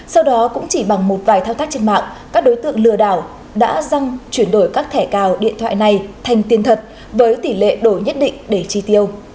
sau đó cũng chỉ bằng một vài thao tác trên mạng các đối tượng lừa đảo đã chuyển đổi các thẻ cào điện thoại này thành tiền thật với tỷ lệ đổi nhất định để chi tiêu